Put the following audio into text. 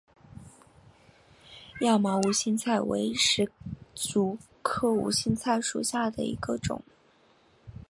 亚毛无心菜为石竹科无心菜属下的一个种。